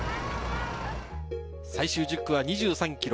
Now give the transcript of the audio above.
最終１０区は２３ｋｍ。